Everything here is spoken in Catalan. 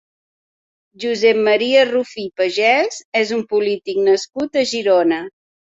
Josep Maria Rufí Pagès és un polític nascut a Girona.